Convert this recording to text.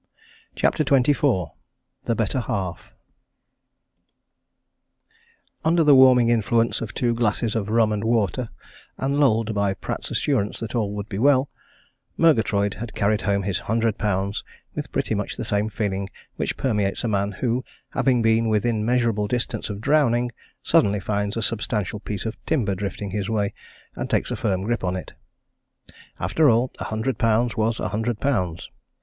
CHAPTER XXIV THE BETTER HALF Under the warming influence of two glasses of rum and water, and lulled by Pratt's assurance that all would be well, Murgatroyd had carried home his hundred pounds with pretty much the same feeling which permeates a man who, having been within measurable distance of drowning, suddenly finds a substantial piece of timber drifting his way, and takes a firm grip on it. After all, a hundred pounds was a hundred pounds.